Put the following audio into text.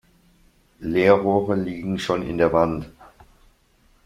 Leerrohre liegen schon in der Wand.